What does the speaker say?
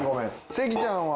関ちゃんは？